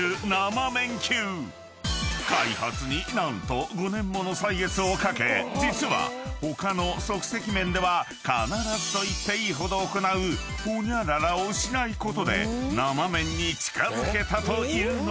［開発に何と５年もの歳月をかけ実は他の即席麺では必ずといっていいほど行うホニャララをしないことで生麺に近づけたというのだが］